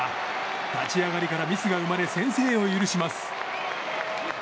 立ち上がりからミスが生まれ先制を許します。